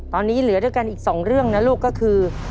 ตอนนี้เหลือด้วยกันอีก๒เรื่องนะลูกก็คือ